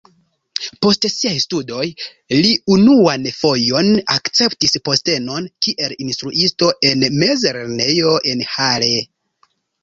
Post siaj studoj li unuan fojon akceptis postenon kiel instruisto en mezlernejo en Halle.